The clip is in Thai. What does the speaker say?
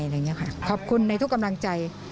อะไรอย่างนี้ค่ะขอบคุณในทุกกำลังใจ